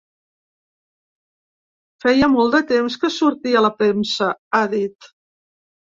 “Feia molt de temps que sortia a la premsa”, ha dit.